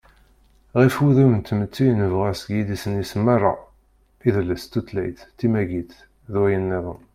ɣef wudem n tmetti i nebɣa seg yidisan-is meṛṛa: idles, tutlayt, timagit, d wayen-nniḍen